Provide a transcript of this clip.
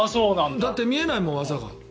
だって見えないもん技が。